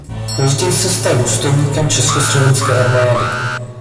Později se stal důstojníkem československé armády.